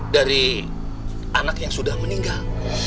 dari anak yang sudah meninggal